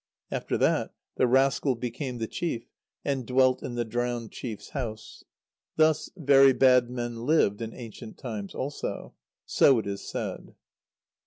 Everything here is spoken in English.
After that, the rascal became the chief, and dwelt in the drowned chief's house. Thus very bad men lived in ancient times also. So it is said.